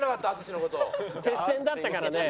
接戦だったからね。